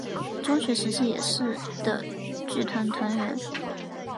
中学时期也是的剧团团员。